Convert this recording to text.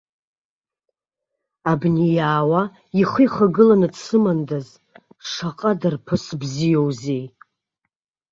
Абни иаауа ихы ихагыланы дсымандаз, шаҟа дарԥыс бзиоузеи?